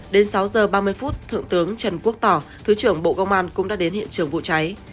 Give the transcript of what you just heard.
đến sáu giờ ba mươi phút thượng tướng trần quốc tỏ thứ trưởng bộ công an cũng đã đến hiện trường vụ cháy